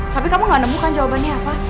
tapi kamu gak nemukan jawabannya apa